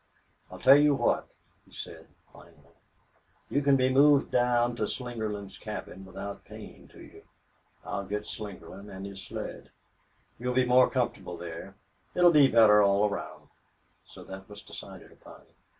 "I'll tell you what," he said, finally. "You can be moved down to Slingerland's cabin without pain to you. I'll get Slingerland and his sled. You'll be more comfortable there. It'll be better all around." So that was decided upon.